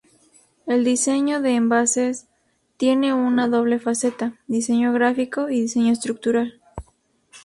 El diseño de envases tiene una doble faceta: diseño gráfico y diseño estructural.